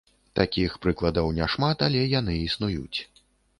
Такіх прыкладаў няшмат, але яны існуюць.